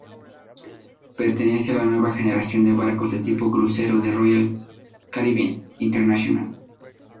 Pertenece a la nueva generación de barcos de tipo crucero de Royal Caribbean International.